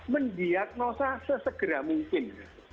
mendiagnosa sesegera mungkin